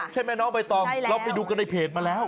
ใช่ไหมน้องใบตองเราไปดูกันในเพจมาแล้ว